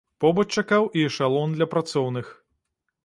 Побач чакаў і эшалон для працоўных.